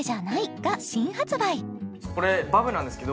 これバブなんですけど